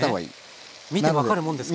見て分かるもんですか？